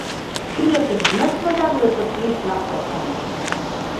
ილოცეთ ღმერთმა დაგლოცონ ვინც ნახავთ ამას.